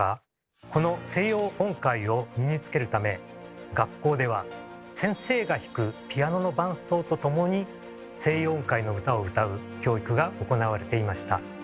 この西洋音階を身につけるため学校では先生が弾くピアノの伴奏とともに西洋音階の歌を歌う教育が行われていました。